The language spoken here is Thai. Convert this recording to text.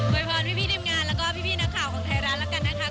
โดยพอร์ตพี่ดินงานแล้วก็พี่นักข่าวของไทยร้านละกันนะคะ